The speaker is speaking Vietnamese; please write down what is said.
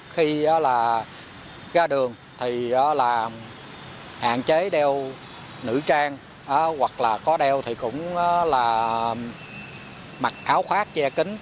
khi ra đường thì hạn chế đeo nữ trang hoặc có đeo thì cũng mặc áo khoác che kính